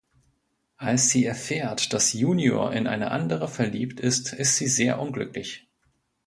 Als sie erfährt, dass Junior in eine andere verliebt ist, ist sie sehr unglücklich.